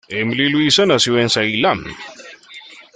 Emily Louisa nació en Ceilán.